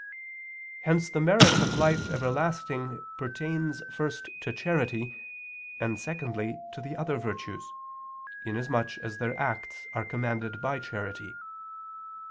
Hence the merit of life everlasting pertains first to charity, and secondly, to the other virtues, inasmuch as their acts are commanded by charity.